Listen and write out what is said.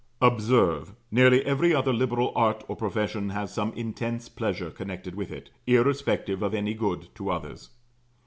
Observe, nearly every other liberal art or profession has some intense pleasure connected with it, irrespective of any good to others.